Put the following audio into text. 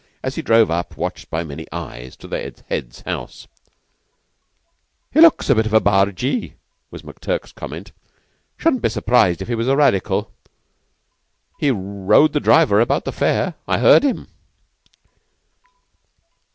as he drove up, watched by many eyes, to the Head's house. "Looks a bit of a bargee," was McTurk's comment. "Shouldn't be surprised if he was a Radical. He rowed the driver about the fare. I heard him."